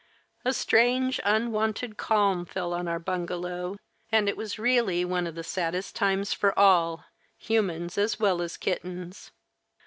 A strange, unwonted calm fell on our bungalow, and it was really one of the saddest times for all, humans as well as kittens.